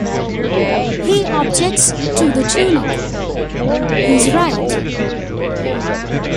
He objects to the tunic. He is right.